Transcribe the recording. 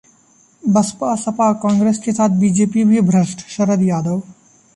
बसपा, सपा कांग्रेस के साथ बीजेपी भी भ्रष्ट: शरद यादव